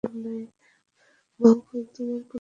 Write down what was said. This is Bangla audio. বহুকাল তোমার কোনো সংবাদ পাই নাই।